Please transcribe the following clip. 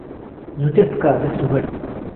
زووتر پکه دهست و برد